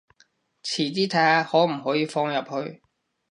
遲啲睇下可唔可以放入去